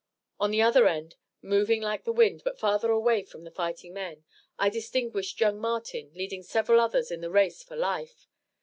On the other end, moving like the wind, but farther away from the fighting men, I distinguished young Martin leading several others in the race for life.